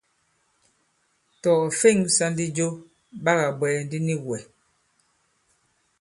Tɔ̀ ɔ̀ fe᷇ŋsā ndi jo, ɓa kà bwɛ̀ɛ̀ ndi nik wɛ̀.